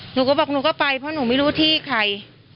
หนูก็บอกหนูก็ไปเพราะหนูไม่รู้ที่ใคร